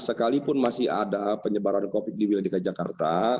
sekalipun masih ada penyebaran covid di wilayah dki jakarta